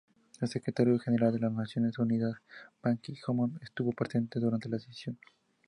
El secretario general de las Naciones Unidas, Ban Ki-moon, estuvo presente durante la decisión.